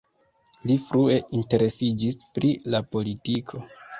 Li frue interesiĝis pri la politiko.